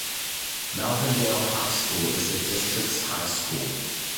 Melvindale High School is the district's high school.